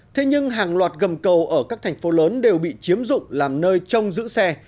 thế nhưng hàng loạt gầm cầu ở các thành phố lớn đều bị chiếm dụng làm nơi trông giữ xe